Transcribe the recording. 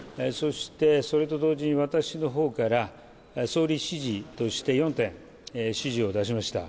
それと同時に私の方から総理指示として４点、指示を出しました。